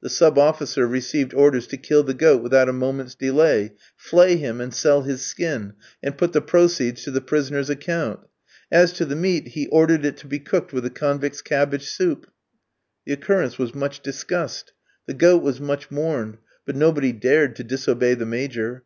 The sub officer received orders to kill the goat without a moment's delay; flay him, and sell his skin; and put the proceeds to the prisoners' account. As to the meat, he ordered it to be cooked with the convicts' cabbage soup. The occurrence was much discussed; the goat was much mourned; but nobody dared to disobey the Major.